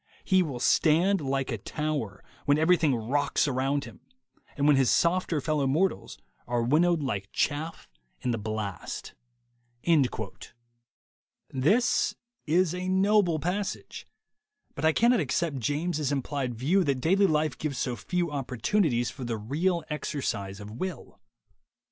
He will stand like a tower when everything rocks around him, and when his softer fellow mortals are win nowed like chaff in the blastj' This is a noble passage, but I cannot accept James' implied view that daily life gives so few oppor tunities for the real exercise of will.